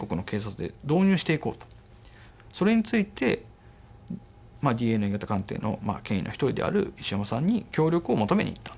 それについてＤＮＡ型鑑定の権威の一人である石山さんに協力を求めにいったんだと。